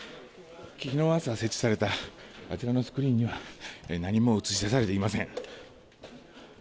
昨日朝、設置されたあちらのスクリーンには何も映し出されていません。